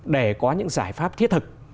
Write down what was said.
để có những giải pháp thiết thực